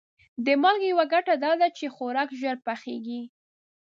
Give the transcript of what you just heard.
د مالګې یوه ګټه دا ده چې خوراک ژر پخیږي.